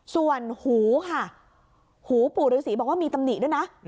ส่วนหูค่ะหูปู่ฤษีบอกว่ามีตำหนิด้วยนะ